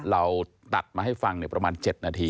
เราตัดมาให้ฟังประมาณ๗นาที